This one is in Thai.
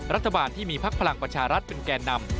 รัฐบาลที่มีพักพลังประชารัฐเป็นแก่นำ